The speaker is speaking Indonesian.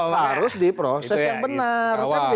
harus diproses yang benar